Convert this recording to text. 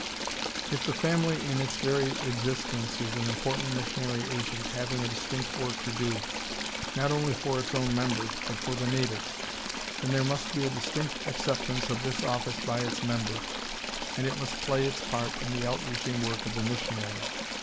If the family in its very existence is an important missionary agent, having a distinct work to do, not only for its own members, but for the natives, ... then there must be a distinct acceptance of this office by its members, and it must play its part in the outreaching work of the missionary.